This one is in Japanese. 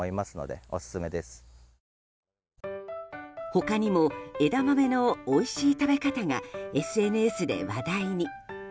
他にも枝豆のおいしい食べ方がＳＮＳで話題に。